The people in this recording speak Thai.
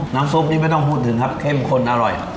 น้ำซุปนี่ไม่ต้องพูดถึงครับเข้มข้นอร่อย